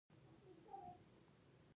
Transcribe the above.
ایا ستاسو تولیدات معیاري دي؟